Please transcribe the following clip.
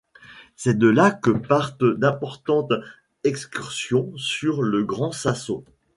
C'est de là que partent d'importantes excursions sur le Gran Sasso.